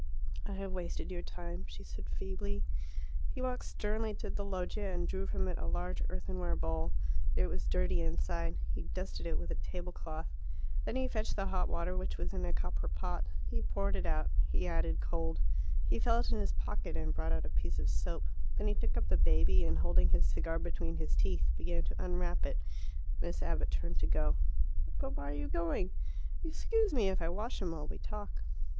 "I have wasted your time," she said feebly. He walked sternly to the loggia and drew from it a large earthenware bowl. It was dirty inside; he dusted it with a tablecloth. Then he fetched the hot water, which was in a copper pot. He poured it out. He added cold. He felt in his pocket and brought out a piece of soap. Then he took up the baby, and, holding his cigar between his teeth, began to unwrap it. Miss Abbott turned to go. "But why are you going? Excuse me if I wash him while we talk."